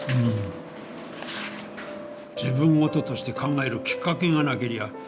自分ごととして考えるきっかけがなけりゃ